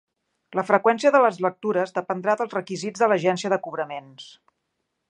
La freqüència de les lectures dependrà dels requisits de l'agència de cobraments.